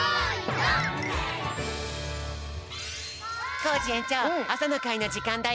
コージえんちょうあさのかいのじかんだよ！